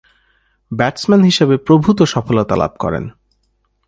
Batsman হিসেবে প্রভূতঃ সফলতা লাভ করেন।